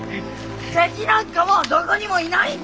敵なんかもうどこにもいないんだよ！